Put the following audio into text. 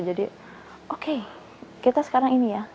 jadi oke kita sekarang ini ya